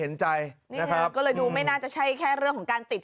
เห็นใจนี่ไงก็เลยดูไม่น่าจะใช่แค่เรื่องของการติด